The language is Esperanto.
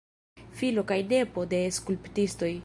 Filo kaj nepo de skulptistoj.